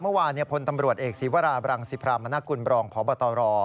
เมื่อวานพลตำรวจเอกศีวราบรังสิพรามนกุลบรองพบตร